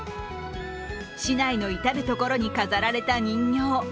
市内の至る所に飾られた人形。